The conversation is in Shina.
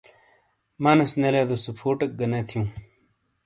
مانیس نے لیدو سے فُوٹیک گہ نے تھیوں۔